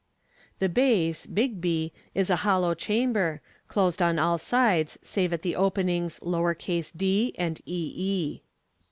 The base, B, is a hollow chamber, closed on all sides save at the openings d and e e.